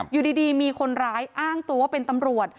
อยู่ดีมีคนร้ายอ้างตัวเป็นตำรวจ